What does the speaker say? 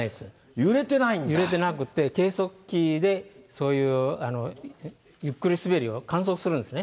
揺れてなくて、計測器で、そういうゆっくりすべりを観測するんですね。